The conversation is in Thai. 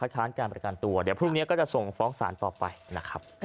ค้านการประกันตัวเดี๋ยวพรุ่งนี้ก็จะส่งฟ้องศาลต่อไปนะครับ